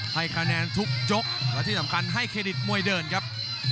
ให้คะแนนทุกยกและที่สำคัญให้เครดิตมวยเดินครับ